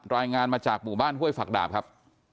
รายงานมาจากหมู่บ้านห้วยฝักดาบครับ